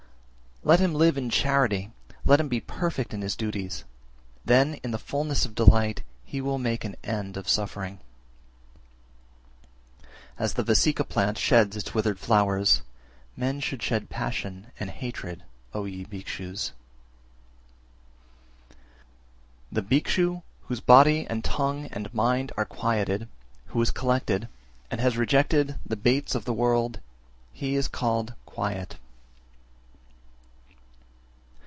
376. Let him live in charity, let him be perfect in his duties; then in the fulness of delight he will make an end of suffering. 377. As the Vassika plant sheds its withered flowers, men should shed passion and hatred, O ye Bhikshus! 378. The Bhikshu whose body and tongue and mind are quieted, who is collected, and has rejected the baits of the world, he is called quiet.